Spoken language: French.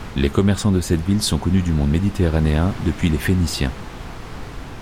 Les commerçants de cette ville sont connus du monde méditerranéen depuis les Phéniciens.